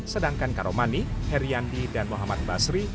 sedangkan karomani heriandi dan muhammad basri